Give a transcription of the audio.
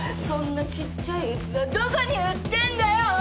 そんなちっちゃい器どこに売ってんだよ。